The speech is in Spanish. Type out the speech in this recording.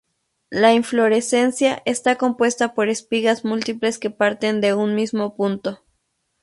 La inflorescencia está compuesta por espigas múltiples que parten de un mismo punto.